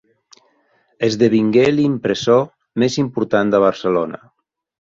Esdevingué l’impressor més important de Barcelona.